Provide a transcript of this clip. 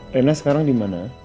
rina sekarang di mana